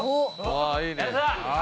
ああいいね。